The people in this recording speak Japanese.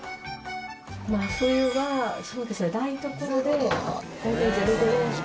真冬はそうですね台所で大体０度ぐらいですね。